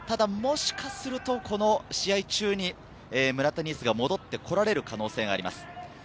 もしかするとこの試合中に、村田新直が戻ってこられる可能性があります。